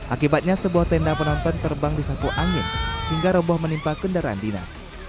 akibatnya sebuah tenda penonton terbang disapu angin hingga roboh menimpa kendaraan dinas